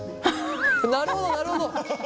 なるほどなるほど。